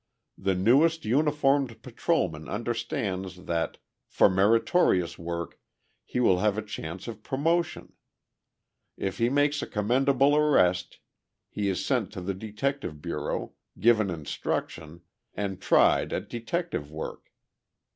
The newest uniformed patrolman understands that, for meritorious work, he will have a chance of promotion. If he makes a commendable arrest, he is sent to the Detective Bureau, given instruction, and tried at detective work.